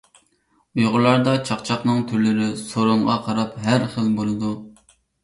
ئۇيغۇرلاردا چاقچاقنىڭ تۈرلىرى سورۇنغا قاراپ ھەر خىل بولىدۇ.